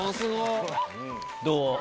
どう？